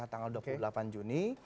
tanggal dua puluh delapan juni